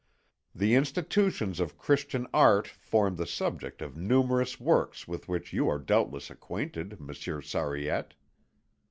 The institutions of Christian art form the subject of numerous works with which you are doubtless acquainted, Monsieur Sariette."